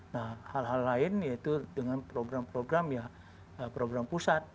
nah hal hal lain yaitu dengan program program ya program pusat